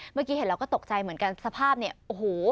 เมื่อกี้เห็นเราก็ตกใจเหมือนกันสภาพเนี่ยโอ้โห